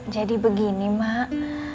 jadi begini mak